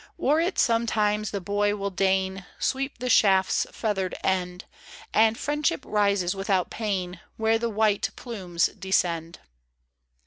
O'er it sometimes the boy will deign Sweep the shaft's feathered end ; And friendship rises without pain Where the white plumes descend.